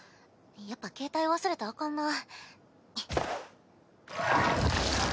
やっぱ携帯忘れたあかんな。